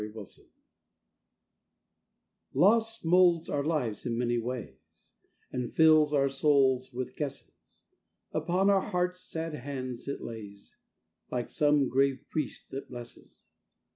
LOVE AND LOSS Loss molds our lives in many ways, And fills our souls with guesses; Upon our hearts sad hands it lays Like some grave priest that blesses.